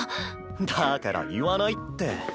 だから言わないって。